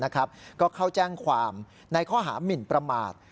ก็เข้าแจ้งความในข้อหามินประมาท